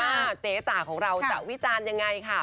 เจ๊จ๋าของเราจะวิจารณ์ยังไงค่ะ